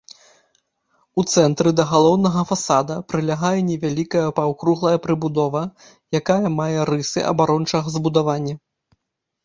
У цэнтры да галоўнага фасада прылягае невялікая паўкруглая прыбудова, якая мае рысы абарончага збудавання.